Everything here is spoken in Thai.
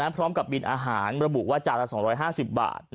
พร้อมกับบินอาหารระบุว่าจานละ๒๕๐บาท